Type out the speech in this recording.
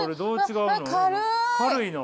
軽いの？